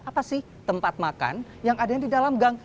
apa sih tempat makan yang ada di dalam gang